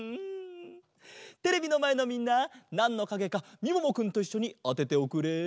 テレビのまえのみんななんのかげかみももくんといっしょにあてておくれ！